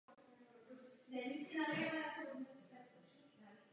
Pomáhá třetím zemím a evropskému filmovému průmyslu.